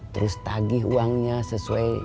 terus tagih uangnya sesuai